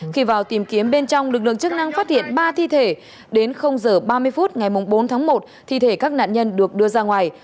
khi vào tìm kiếm bên trong lực lượng chức năng phát hiện ba thi thể đến h ba mươi phút ngày bốn tháng một thi thể các nạn nhân được đưa ra ngoài